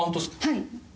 はい。